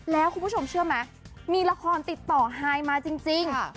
แล้วคุณผู้ชมเชื่อไหมมีละครติดต่อไฮมาจริง